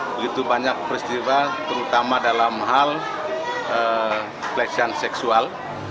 begitu banyak peristiwa terutama dalam hal pelecehan seksual